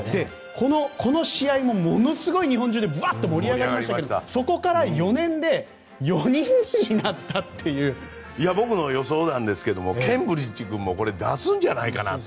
この試合もものすごい日本中でバッと盛り上がりましたがそこから４年で僕の予想なんですけどケンブリッジ君も出すんじゃないかなと。